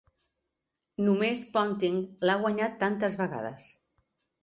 Només Ponting l'ha guanyat tantes vegades.